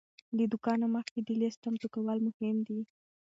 له دوکانه مخکې د لیست چمتو کول مهم دی.